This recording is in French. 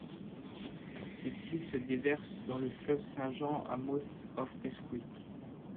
Celle-ci se déverse dans le fleuve Saint-Jean à Mouth of Keswick.